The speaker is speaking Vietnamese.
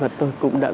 và tôi cũng đã